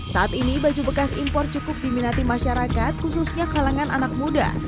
saat ini baju bekas impor cukup diminati masyarakat khususnya kalangan anak muda